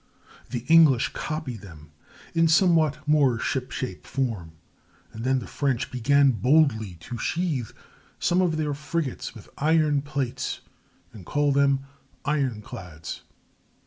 The English copied them, in somewhat more ship shape form; and then the French began boldly to sheathe some of their frigates with iron plates and call them "ironclads."